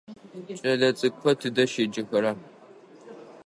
Кӏэлэцӏыкӏухэр тыдэ щеджэхэра?